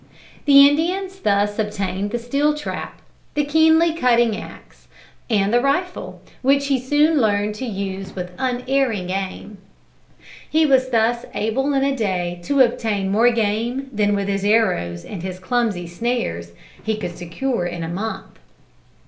The Indians thus obtained the steel trap, the keenly cutting ax, and the rifle, which he soon learned to use with unerring aim. He was thus able in a day to obtain more game than with his arrows and his clumsy snares he could secure in a month.